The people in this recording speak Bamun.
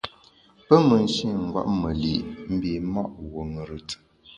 Pe me nshî ngwet me li’ mbi’ ma’ wuo ṅùrùt.